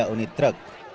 tiga unit truk